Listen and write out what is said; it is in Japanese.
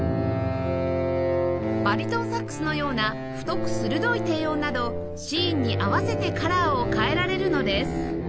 バリトンサックスのような太く鋭い低音などシーンに合わせてカラーを変えられるのです